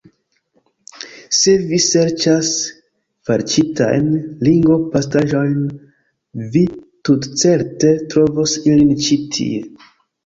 Se vi serĉas farĉitajn ringo-pastaĵojn, vi tutcerte trovos ilin ĉi tie!